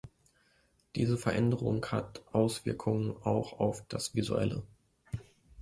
Diese Veränderung hat Auswirkungen auch auf das Visuelle.